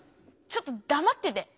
ちょっとだまってて。